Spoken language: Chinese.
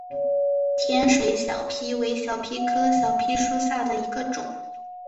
天水小檗为小檗科小檗属下的一个种。